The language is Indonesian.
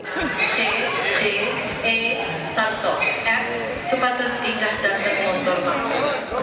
c d e satu f sepatus tiga datang motor bangun